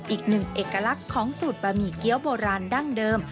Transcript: อีกหนึ่งเอกลักษณ์ของสูตรบะหมี่เกี้ยวโบราณดั้งเดิม